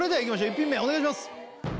１品目お願いします